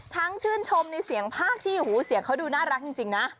ชื่นชมในเสียงภาคที่หูเสียงเขาดูน่ารักจริงนะ